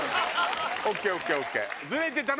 ＯＫＯＫＯＫ！